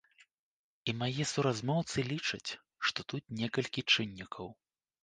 І мае суразмоўцы лічаць, што тут некалькі чыннікаў.